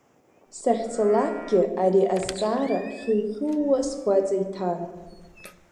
Сахьцалакгьы ари азҵаара хьухьууа сгәаҵа иҭан.